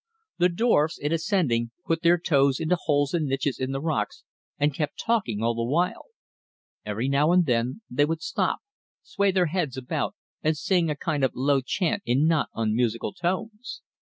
The dwarfs, in ascending, put their toes into holes and niches in the rocks and kept talking all the while. Every now and then they would stop, sway their heads about and sing a kind of low chant in not unmusical tones.